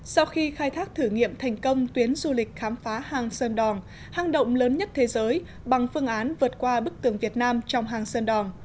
sau khi khai thác thử nghiệm thành công tuyến du lịch khám phá hàng sơn đòn hang động lớn nhất thế giới bằng phương án vượt qua bức tường việt nam trong hàng sơn đòn